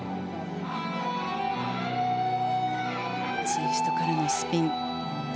ツイストからのスピン。